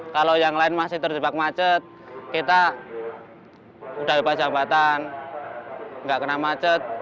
kalau yang lain masih terjebak macet kita udah bebas hambatan nggak kena macet